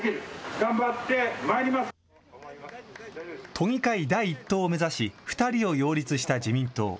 都議会第１党を目指し、２人を擁立した自民党。